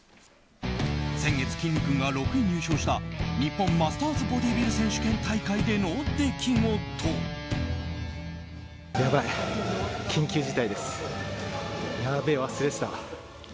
先月、きんに君が６位入賞した日本マスターズボディービル選手権大会での出来事。